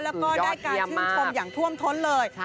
แล้วก็ได้การชื่นชมอย่างท่วมท้นเลย